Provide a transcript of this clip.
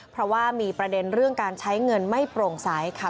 เพราะว่ามีประเด็นเรื่องการใช้เงินไม่โปร่งใสค่ะ